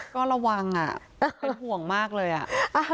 ก็ระวังอ่ะเป็นห่วงมากเลยอ่ะ